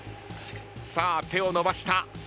さあ手を伸ばした。